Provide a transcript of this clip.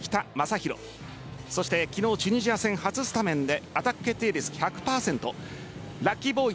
昨日、チュニジア戦初スタメンでアタック決定率１００％ラッキーボーイ